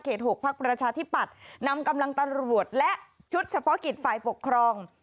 เขตหกภักดิ์ประชาที่ปัดนำกำลังตรวจและชุดเฉพาะกิจฝ่ายปกครอง